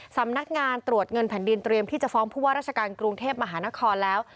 สำนักงานตรวจเงินแผ่นดินเตรียมที่จะฟ้องผู้ว่าราชการกรุงเทพมหานครแล้ว